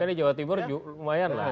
pekan di jawa timur juga lumayan lah